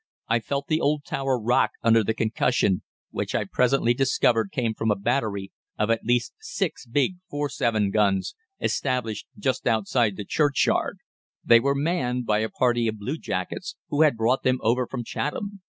I felt the old tower rock under the concussion, which I presently discovered came from a battery of at least six big 4·7 guns established just outside the churchyard. "They were manned by a party of bluejackets, who had brought them over from Chatham.